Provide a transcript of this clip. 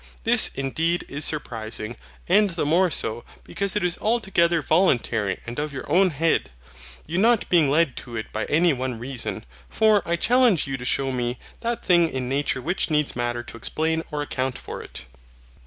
This indeed is surprising, and the more so because it is altogether voluntary and of your own head, you not being led to it by any one reason; for I challenge you to shew me that thing in nature which needs Matter to explain or account for it.